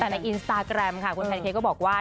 แต่ในอินสตาแกรมค่ะคุณแพนเค้กก็บอกว่า